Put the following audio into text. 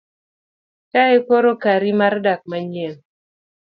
kae koro kari mar dak manyien